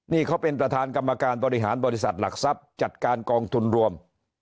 นี่เขาเป็นประธานกรรมการบริหารบริษัทหลักทรัพย์จัดการกองทุนรวม